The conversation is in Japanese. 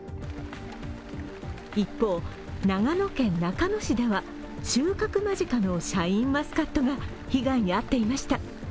一方、長野県中野市では収穫間近のシャインマスカットが被害に遭っていました。